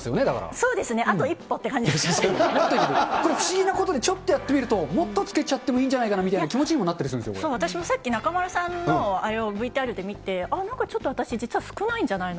そうですね、あと一歩っていこれ、不思議なことにちょっとやってみると、もっとつけちゃってもいいんじゃないかなみたいな気持ちにもなっそう、私もさっき中丸さんのあれを、ＶＴＲで見て、あ、なんか私、ちょっと実は少ないんじゃないの？